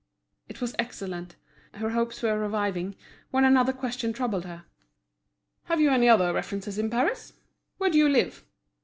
It was excellent. Her hopes were reviving, when another question troubled her. "Have you any other references in Paris? Where do you live?"